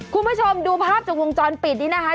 คุณผู้ชมดูภาพจากวงจรปิดนี้นะคะ